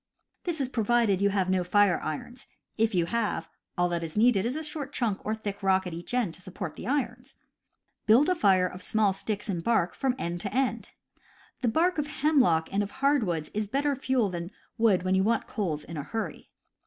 (This is provided you have no fire irons; if you have, all that is needed is a short chunk or thick rock at each end to support the irons.) Build a fire of small sticks and bark from end to end. The bark of hemlock and of hardwoods is better fuel than wood when you want coals in a hurry.